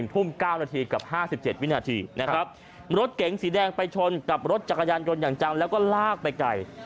ทุ่ม๙นาทีกับ๕๗วินาทีนะครับรถเก๋งสีแดงไปชนกับรถจักรยานยนต์อย่างจังแล้วก็ลากไปไกล